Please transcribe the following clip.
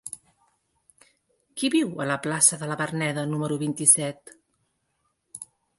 Qui viu a la plaça de la Verneda número vint-i-set?